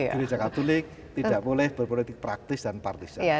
juri katolik tidak boleh berpolitik praktis dan partisip